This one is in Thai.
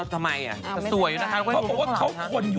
ทำไมช่วยช่วย